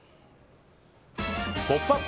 「ポップＵＰ！」